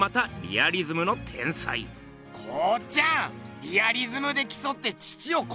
リアリズムできそって父をこえようってか？